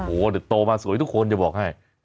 โอ้โหเดี๋ยวโตมาสวยทุกคนจะบอกให้